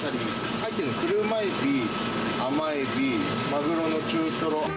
入ってるの、クルマエビ、アマエビ、マグロの中トロ。